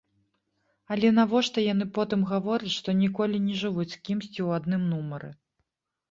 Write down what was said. Але навошта яны потым гавораць, што ніколі не жывуць з кімсьці ў адным нумары?